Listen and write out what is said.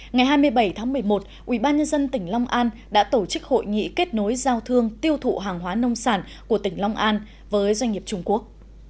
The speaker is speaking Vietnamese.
ngày hai mươi bảy tháng một mươi một ubnd tỉnh long an đã tổ chức hội nghị kết nối giao thương tiêu thụ hàng hóa nông sản của tỉnh long an với doanh nghiệp trung quốc